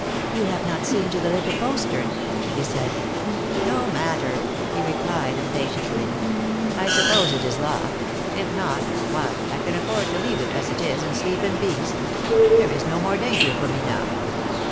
"You have not seen to the little postern," she said. "No matter," he replied impatiently. "I suppose it is locked; if not why, I can afford to leave it as it is and sleep in peace. There is no more danger for me now."